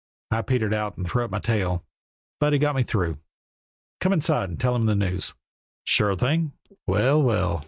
I petered out and threw up my tail, but he got me through. Come inside and tell him the news." "Sure thing." "Well, well!"